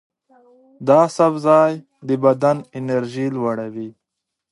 دا سبزی د بدن انرژي لوړوي.